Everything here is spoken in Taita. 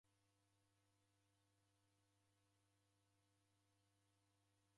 Wadakusuw'a ukajha ng'ondi.